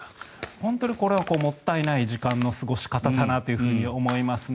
本当にこれはもったいない時間の過ごし方だなと思いますね。